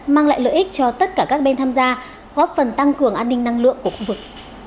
mang lại lợi ích cho tất cả các bên tham gia góp phần tăng cường an ninh năng lượng của khu vực